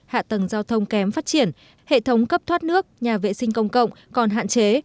hạ tầng giao thông kém phát triển hệ thống cấp thoát nước nhà vệ sinh công cộng còn hạn chế